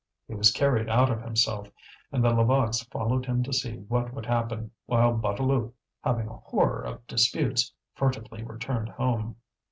He was carried out of himself, and the Levaques followed him to see what would happen, while Bouteloup, having a horror of disputes, furtively returned home.